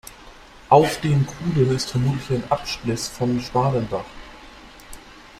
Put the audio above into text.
Auf den Kuhlen ist vermutlich ein Abspliss von Schmalenbach.